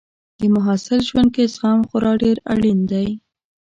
د محصل ژوند کې زغم خورا ډېر اړین دی.